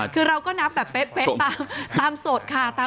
คือเราก็นับแบบเป๊ะตามโสดค่ะ